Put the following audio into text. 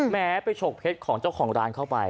แม้ไปฉกเพชรของเจ้าของร้านเข้าไป